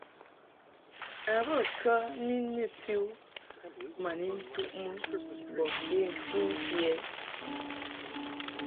A bə kə ni nɨti u ma ni ntuʼmɨ bɔ ke mfimfi ɛ ?